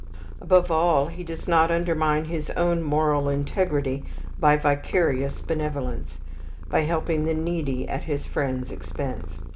Above all, he does not undermine his own moral integrity by vicarious benevolence, by helping the needy at his friend's expense.